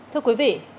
thưa quý vị